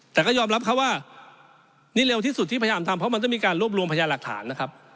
แต่ก็ยอมรับเขาว่านี่เร็วที่สุดที่พยายามทำเพราะมันต้องมีการรวบรวมพยาหลักฐานนะครับ